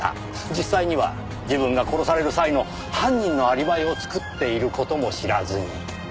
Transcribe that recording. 実際には自分が殺される際の犯人のアリバイを作っている事も知らずに。